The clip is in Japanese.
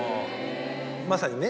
まさにね